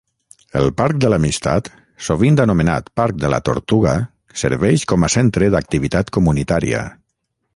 El Parc de l'Amistat, sovint anomenat Parc de la Tortuga, serveix com a centre d'activitat comunitària.